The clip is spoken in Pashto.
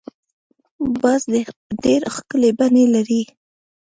باز ډېر ښکلی بڼ لري